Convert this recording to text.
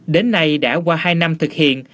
đến nay đã qua hai năm thực hiện